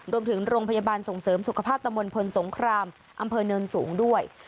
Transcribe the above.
รวมถึงโรงพยาบาลส่งเสริมสุขภาพตำบลพลสงครามอำเภอเนินสูงด้วย